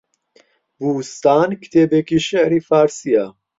بووستان، کتێبێکی شێعری فارسییە